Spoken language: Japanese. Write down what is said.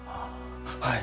はい。